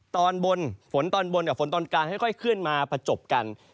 ตอนบนฝนตอนบนกับฝนตอนกลางค่อยเคลื่อนมาผจบกัน